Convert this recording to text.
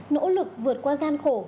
nỗ lực vượt qua gian khổ